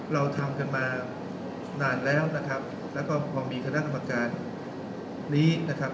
เราทำกันมานานแล้วนะครับแล้วก็พอมีคณะกรรมการนี้นะครับ